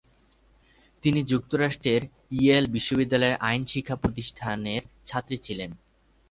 তিনি যুক্তরাষ্ট্রের ইয়েল বিশ্ববিদ্যালয়ের আইন শিক্ষা প্রতিষ্ঠানের ছাত্রী ছিলেন।